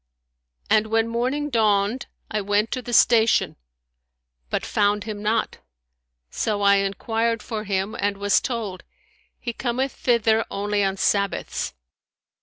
And when morning dawned, I went to the station but found him not; so I enquired for him and was told, He cometh thither only on Sabbaths.'